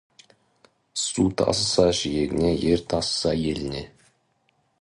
Су тасыса, жиегіне, ер тасыса, еліне.